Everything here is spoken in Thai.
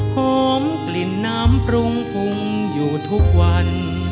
หอมกลิ่นน้ำปรุงฟุ้งอยู่ทุกวัน